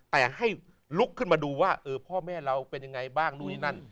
แต่ให้ลุกขึ้นมาดูว่าพ่อแม่เราเป็นยังไงบ้างนู่นนี่นั่น